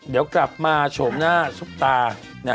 เดี๋ยวกลับมาโฉมหน้าซุปตา